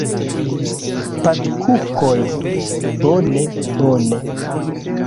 Patkukoj! Bone bone!